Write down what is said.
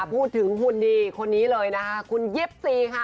พูดถึงหุ่นดีคนนี้เลยนะคะคุณยิปซีค่ะ